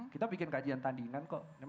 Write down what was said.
kita bikin kajian tandingan kok